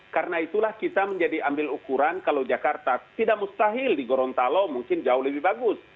karena itulah kita menjadi ambil ukuran kalau jakarta tidak mustahil di gorontalo mungkin jauh lebih bagus